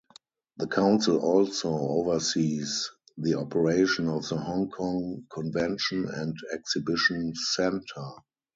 The Council also oversees the operation of the Hong Kong Convention and Exhibition Centre.